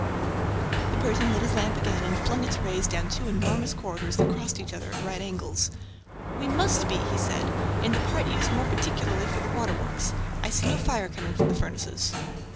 The Persian lit his lamp again and flung its rays down two enormous corridors that crossed each other at right angles. "We must be," he said, "in the part used more particularly for the waterworks. I see no fire coming from the furnaces."